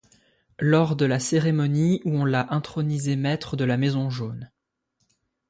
lors de la cérémonie où on l'a intronisé maître de la maison Jaune.